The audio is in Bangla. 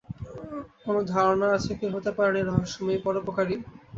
কোনো ধারণা আছে কে হতে পারেন এই রহস্যময় পরোপকারী?